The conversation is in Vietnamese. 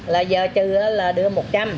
là giờ trừ là đưa một trăm linh